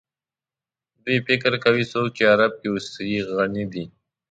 دوی فکر کوي څوک چې غرب کې اوسي غني دي.